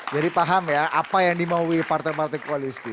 jadi paham ya apa yang dimaui partai partai kualiski